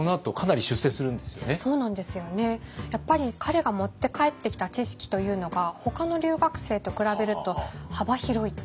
やっぱり彼が持って帰ってきた知識というのがほかの留学生と比べると幅広い。